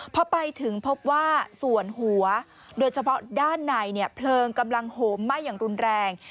พอไปถึงพบว่าส่วนหัวโดยเฉพาะด้านในเพลิงกำลังโหมไหม้อย่างรุนแรง